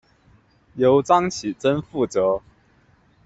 由张启珍负责。